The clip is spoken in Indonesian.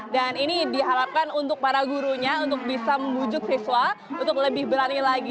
dan ini diharapkan untuk para gurunya untuk bisa membujuk siswa untuk lebih berani lagi